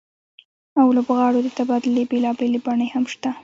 او لوبغاړو د تبادلې بېلابېلې بڼې هم شته